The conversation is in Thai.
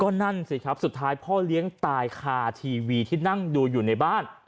นั่นสิครับสุดท้ายพ่อเลี้ยงตายคาทีวีที่นั่งดูอยู่ในบ้าน